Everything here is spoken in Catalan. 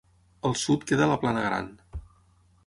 Al sud queda la Plana Gran.